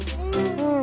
うん。